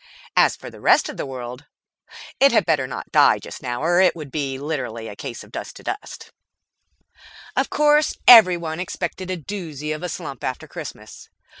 As for the rest of the world, it had better not die just now or it would be literally a case of dust to dust. Of course everyone expected a doozy of a slump after Christmas.